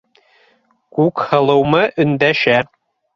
Күкһылыумы өндәшә!